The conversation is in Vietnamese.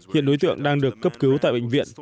hiện đối tượng đang được cấp cứu tại bệnh viện